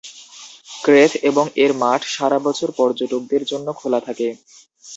ক্রেথ এবং এর মাঠ সারা বছর পর্যটকদের জন্য খোলা থাকে।